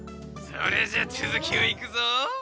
それじゃあつづきをいくぞ。